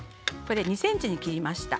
１ｃｍに切りました。